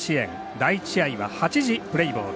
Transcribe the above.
第１試合は８時プレーボール。